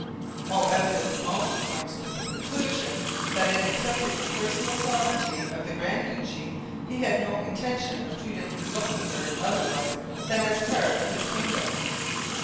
All evidence also points to the conclusion that in accepting the personal sovereignty of the Grand Duchy he had no intention of treating Luxemburg otherwise than as part of his kingdom.